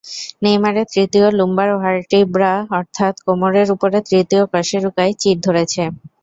নেইমারের তৃতীয় lumbar vertebra অর্থাৎ কোমরের ওপরের তৃতীয় কশেরুকায় চিড় ধরেছে।